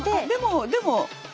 でもでも。